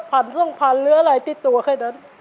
ผันซ่องผันหรืออะไรติดตัวแค่นั้น